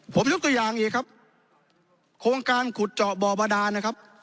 ผมยกตัวอย่างอีกครับโครงการขุดเจาะบ่อบาดานนะครับ